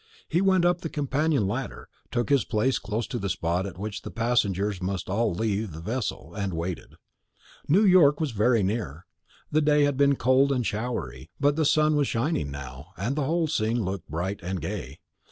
He went up the companion ladder, took his place close to the spot at which the passengers must all leave the vessel, and waited. New York was very near. The day had been cold and showery, but the sun was shining now, and the whole scene looked bright and gay.